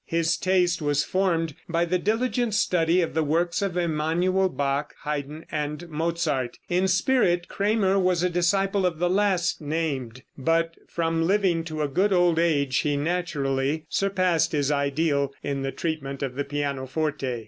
His taste was formed by the diligent study of the works of Emanuel Bach, Haydn and Mozart. In spirit Cramer was a disciple of the last named, but from living to a good old age, he naturally surpassed his ideal in the treatment of the pianoforte.